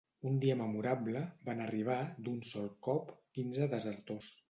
Un dia memorable van arribar, d'un sol cop, quinze desertors.